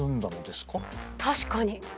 確かに。